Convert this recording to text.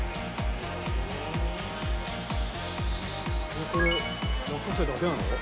これ落花生だけなの？